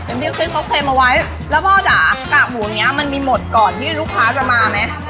เป็นที่ครบเครมเอาไว้แล้วพ่อจ๋ากากหมูอย่างนี้มันมีหมดก่อนที่ลูกค้าจะมาไหม